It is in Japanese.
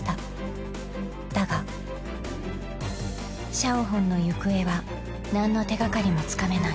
［シャオホンの行方は何の手掛かりもつかめない］